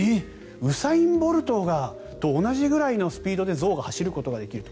ウサイン・ボルトと同じぐらいのスピードで象は走ることができると。